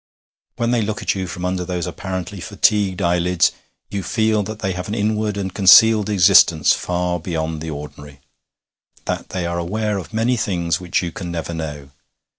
When they look at you from under those apparently fatigued eyelids, you feel that they have an inward and concealed existence far beyond the ordinary that they are aware of many things which you can never know.